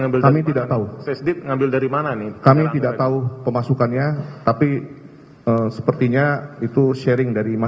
benar ya seperti ini ya